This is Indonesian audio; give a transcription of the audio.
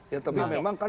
ya tapi memang kan